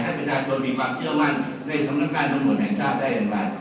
ประชาชนมีความเชื่อมั่นในสำนักงานตำรวจแห่งชาติได้อย่างไร